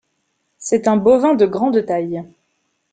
C'est un bovin de grande taille.